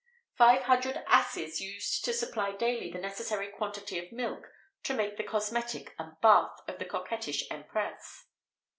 Five hundred asses used to supply daily the necessary quantity of milk to make the cosmetic and bath[XVIII 18] of the coquettish empress.